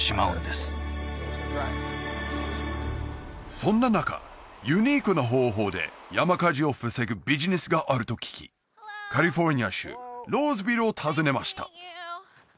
そんな中ユニークな方法で山火事を防ぐビジネスがあると聞きカリフォルニア州ローズビルを訪ねました